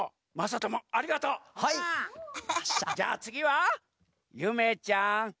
じゃあつぎはゆめちゃん。